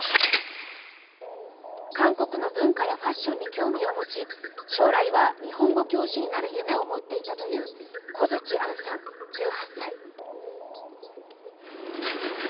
韓国の文化やファッションに興味を持ち、将来は日本語教師になる夢を持っていたという小槌杏さん１８歳。